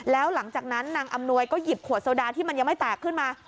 แล้วหลังจากนั้นนางอำนวยก็หยิบขวดโซดาที่มันยังไม่แตกขึ้นมา